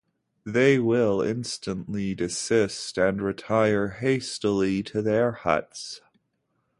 They will instantly desist and retire hastily to their huts.